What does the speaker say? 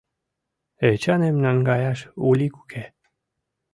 Эчаным наҥгаяш улик уке.